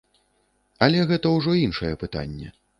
Але гэта ўжо іншае пытанне.